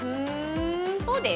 そうです。